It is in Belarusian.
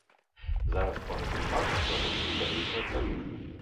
Зараз па гэтым факце праводзіцца далейшая праверка.